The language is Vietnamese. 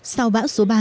sau bão số ba